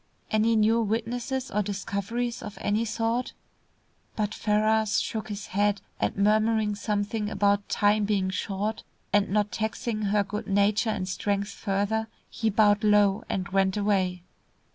Any new witnesses or discoveries of any sort?" But Ferrars shook his head, and murmuring something about time being short, and not taxing her good nature and strength further, he bowed low, and went away.